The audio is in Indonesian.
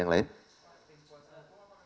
apakah sudah memulai penangguan penanganan